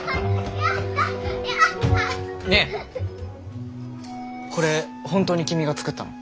ねえこれ本当に君が作ったの？